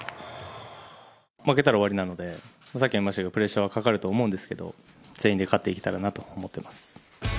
負けたら終わりなので、さっきも言いましたけど、プレッシャーはかかると思うんですけど、全員で勝っていけたらなと思っています。